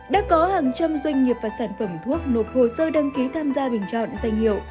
đã có hàng trăm doanh nghiệp và sản phẩm thuốc nộp hồ sơ đăng ký tham gia bình chọn danh hiệu